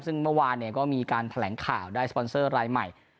ซึ่งเมื่อวานเนี่ยก็มีการแผลงข่าวได้ฟรรสัญชาติรายใหม่